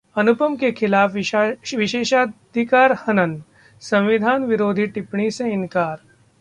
अनुपम के खिलाफ विशेषाधिकार हनन, संविधान विरोधी टिप्पणी से इनकार